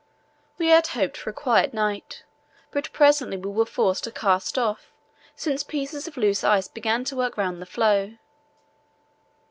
We had hoped for a quiet night, but presently we were forced to cast off, since pieces of loose ice began to work round the floe.